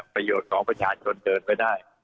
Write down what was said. ประโยชน์ของประชาชนเดินไปได้